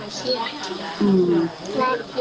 อยากให้สังคมรับรู้ด้วย